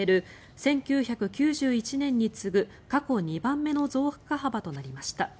１９９１年に次ぐ過去２番目の増加幅となりました。